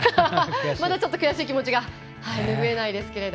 まだちょっと悔しい気持ちがぬぐえないですけど。